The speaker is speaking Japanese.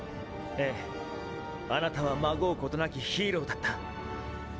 ええあなたはまごうことなき“ヒーロー”だった。